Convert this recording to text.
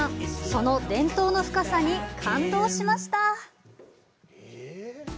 その伝統の深さに感動しました。